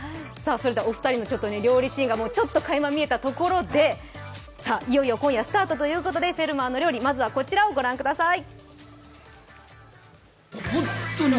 お二人の料理シーンがかいま見えたところでいよいよ今夜スタートということで「フェルマーの料理」、まずはこちらをご覧ください。